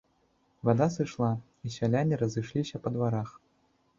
Вада сышла, і сяляне разышліся па дварах.